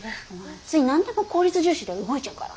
つい何でも効率重視で動いちゃうから。